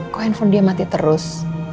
kok handphone dia mati terus